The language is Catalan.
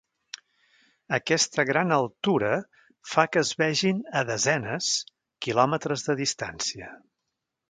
Aquesta gran altura fa que es vegin a desenes quilòmetres de distància.